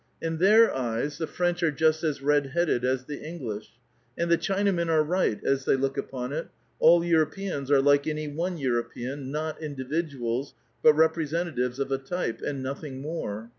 In their eyes the French are just as red headed IIS the English. And the Chinamen are right, as they look upon it ; all P^uropeans are like any one European, not individuals, but representatives of a type, and nothing more.